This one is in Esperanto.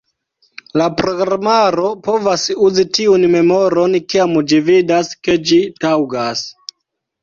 La programaro povas uzi tiun memoron kiam ĝi vidas, ke ĝi taŭgas.